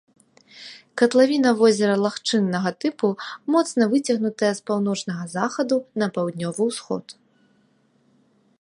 Катлавіна возера лагчыннага тыпу, моцна выцягнутая з паўночнага захаду на паўднёвы ўсход.